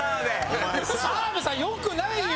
澤部さん良くないよ！